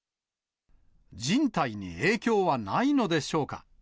人体に影響はないのでしょうか。